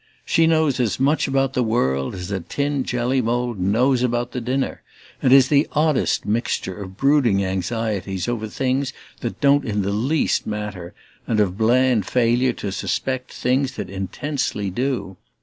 She knows as much about the world as a tin jelly mould knows about the dinner, and is the oddest mixture of brooding anxieties over things that don't in the least matter and of bland failure to suspect things that intensely do.